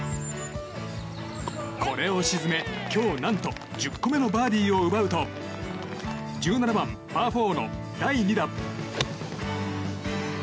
ここを沈め、今日何と１０個目のバーディーを奪うと１７番、パー４の第２打。